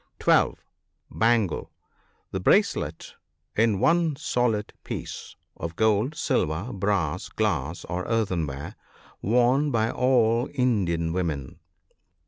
(12.) Bangle. — The bracelet, in one solid piece, of gold, silver, brass, glass, or earthenware, worn by all Indian women.